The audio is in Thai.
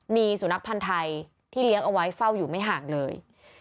มีสุนัขพันธ์ไทยที่เลี้ยงเอาไว้เฝ้าอยู่ไม่ห่างเลย